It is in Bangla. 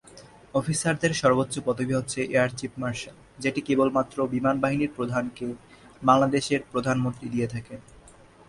অফিসারদের সর্বোচ্চ পদবি হচ্ছে 'এয়ার চীফ মার্শাল', যেটি কেবলমাত্র 'বিমান বাহিনী প্রধানকে' বাংলাদেশের প্রধানমন্ত্রী দিয়ে থাকেন।